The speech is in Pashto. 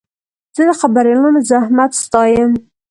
زه د خبریالانو زحمت ستایم.